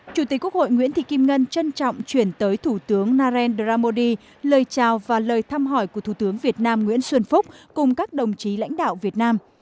chủ tịch quốc hội nguyễn thị kim ngân trân trọng chuyển tới thủ tướng narendra modi lời chào và lời thăm hỏi của thủ tướng việt nam nguyễn xuân phúc cùng các đồng chí lãnh đạo việt nam